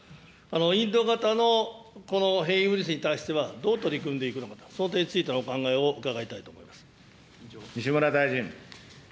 インド型のこの変異ウイルスに対しては、どう取り組んでいくのか、その点についてのお考えを伺いた西村大臣。